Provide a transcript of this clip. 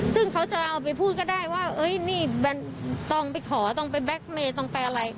ซึ่งเขาจะเอาไปพูดก็ได้ว่านี่ต้องไปขอต้องไปแล็กเมย์ต้องไปอะไร